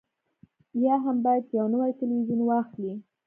یا هم باید یو نوی تلویزیون واخلئ